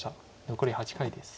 残り８回です。